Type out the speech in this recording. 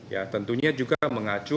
ya tentunya juga mengacu